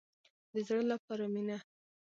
د زړه لپاره مینه.